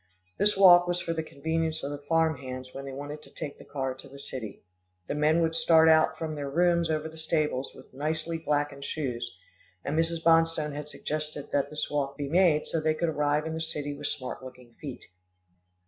This walk was for the convenience of the farm hands when they wanted to take the car to the city. The men would start out from their rooms over the stables with nicely blacked shoes, and Mrs. Bonstone had suggested that this walk be made, so they could arrive in the city with smart looking feet.